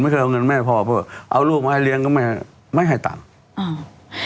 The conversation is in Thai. ไม่เคยเอาเงินแม่พ่อเพราะเอาลูกมาให้เลี้ยงก็ไม่ไม่ให้ตังค์อ่า